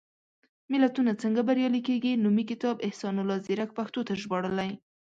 ملتونه څنګه بریالي کېږي؟ نومي کتاب، احسان الله ځيرک پښتو ته ژباړلی.